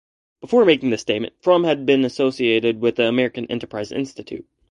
Before making this statement, Frum had been associated with the American Enterprise Institute.